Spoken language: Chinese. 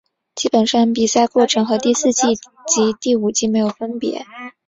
基本上比赛过程和第四季及第五季没有分别。